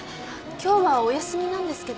今日はお休みなんですけど。